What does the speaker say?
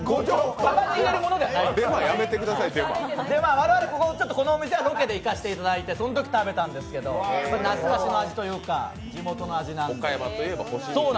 我々、このお店はロケで行かせていただいてそのとき食べたんですけど、懐かしの味というか、地元の味なんです。